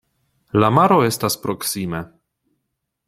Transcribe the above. La maro estas proksime.